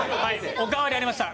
お代わりありました、